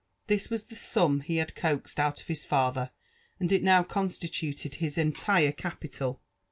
This was the sum he had coaxed out of his father, and U now constituted his entire capital.